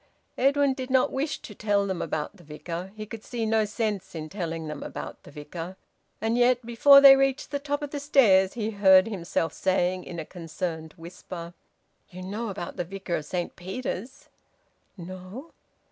Edwin did not wish to tell them about the Vicar. He could see no sense in telling them about the Vicar. And yet, before they reached the top of the stairs, he heard himself saying in a concerned whisper "You know about the Vicar of Saint Peter's?" "No."